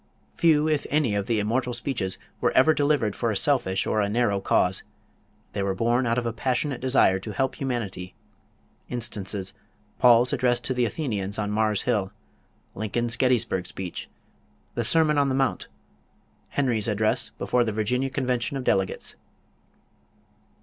Few if any of the immortal speeches were ever delivered for a selfish or a narrow cause they were born out of a passionate desire to help humanity; instances, Paul's address to the Athenians on Mars Hill, Lincoln's Gettysburg speech, The Sermon on the Mount, Henry's address before the Virginia Convention of Delegates.